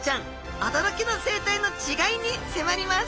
おどろきの生態の違いにせまります！